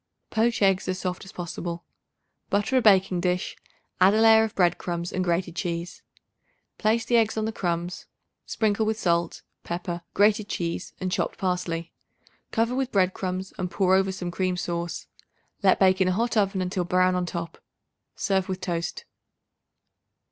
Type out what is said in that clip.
Poach eggs as soft as possible. Butter a baking dish; add a layer of bread crumbs and grated cheese. Place the eggs on the crumbs; sprinkle with salt, pepper, grated cheese and chopped parsley. Cover with bread crumbs and pour over some cream sauce. Let bake in a hot oven until brown on top. Serve with toast.